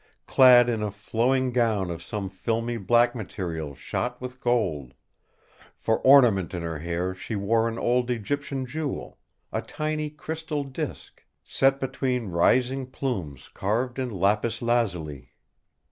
Clad in a flowing gown of some filmy black material shot with gold. For ornament in her hair she wore an old Egyptian jewel, a tiny crystal disk, set between rising plumes carved in lapis lazuli.